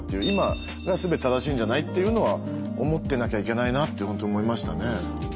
今がすべて正しいんじゃないっていうのは思ってなきゃいけないなってほんと思いましたね。